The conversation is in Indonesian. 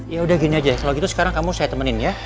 yaudah gini aja kalo gitu sekarang kamu saya temenin ya